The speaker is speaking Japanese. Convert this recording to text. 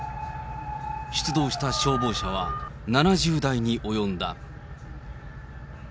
出動した消防車は７０台に及んだ。